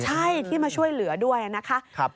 ใช่ที่มาช่วยเหลือด้วยนะคะ